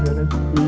gak ada apa apa